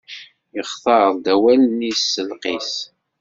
Yextar-d awalen-is s lqis.